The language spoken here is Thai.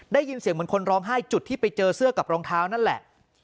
ได้ยินเสียงเหมือนคนร้องไห้จุดที่ไปเจอเสื้อกับรองเท้านั่นแหละ